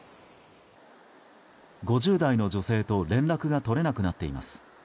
５０代の女性と連絡が取れなくなっています。